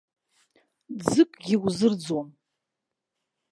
Ӡыкгьы узырӡом.